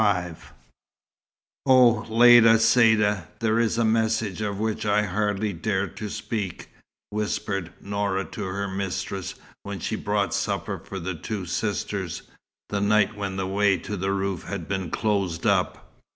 XLV "Oh Lella Saïda, there is a message, of which I hardly dare to speak," whispered Noura to her mistress, when she brought supper for the two sisters, the night when the way to the roof had been closed up.